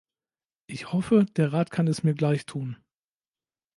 Ich hoffe, der Rat kann es mir gleichtun.